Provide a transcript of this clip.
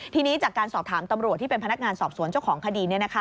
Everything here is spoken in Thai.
ทีนี้จากการสอบถามตำรวจที่เป็นพนักงานสอบสวนเจ้าของคดี